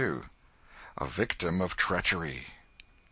A Victim of Treachery.